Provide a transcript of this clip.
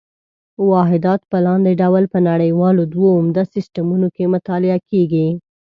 واحدات په لاندې ډول په نړیوالو دوو عمده سیسټمونو کې مطالعه کېږي.